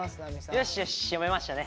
よしよし読めましたね。